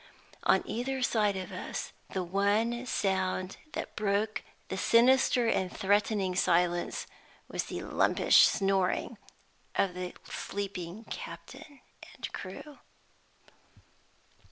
On either side of us, the one sound that broke the sinister and threatening silence was the lumpish snoring of the sleeping captain and crew.